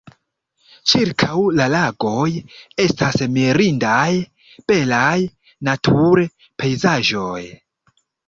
Ĉirkaŭ la lagoj estas mirindaj belaj natur-pejzaĝoj.